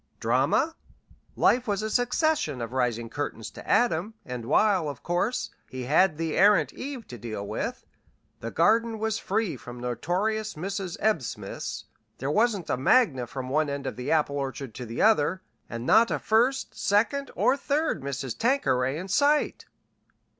Drama? Life was a succession of rising curtains to Adam, and while, of course, he had the errant Eve to deal with, the garden was free from Notorious Mrs. Ebbsmiths, there wasn't a Magda from one end of the apple orchard to the other, and not a First, Second, or Third Mrs. Tanqueray in sight.